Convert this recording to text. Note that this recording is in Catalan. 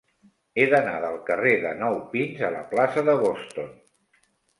He d'anar del carrer de Nou Pins a la plaça de Boston.